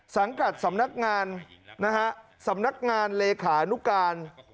สังกัดสำนักงานเลขานุการ